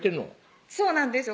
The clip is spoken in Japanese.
そうなんですよ